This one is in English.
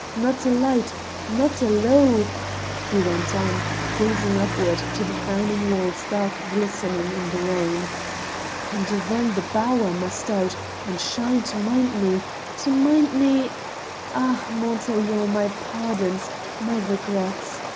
Not a light, not a lowe " he went on, gazing upward to the frowning walls dark glistening in the rain "and then the bower must out and shine to mind me to mind me ah, Mont aiglon, my pardons, my regrets!